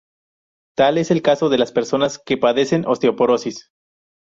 Tal es el caso de las personas que padecen osteoporosis.